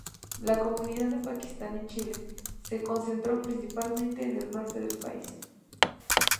La comunidad paquistaní en Chile se concentró principalmente en el norte del país.